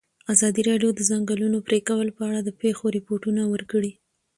ازادي راډیو د د ځنګلونو پرېکول په اړه د پېښو رپوټونه ورکړي.